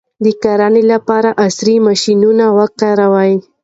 د کرنې لپاره عصري ماشینونه وکاروئ.